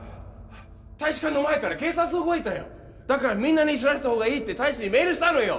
大使館の前から警察動いたよだからみんなに知らせた方がいいって大使にメールしたのよ